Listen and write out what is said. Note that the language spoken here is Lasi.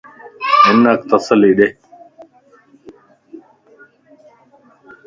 ھنک تسلي ڏي